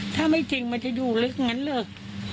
ถ้าไม่จริงมันจะอยู่ลึกอย่างนั้นเลย